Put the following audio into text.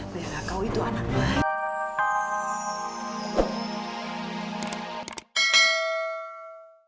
bella kau itu anak